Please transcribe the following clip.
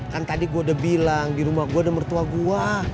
kan tadi gue udah bilang di rumah gue udah mertua gue